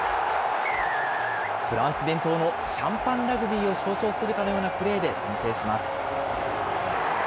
フランス伝統のシャンパン・ラグビーを象徴するかのようなプレーで先制します。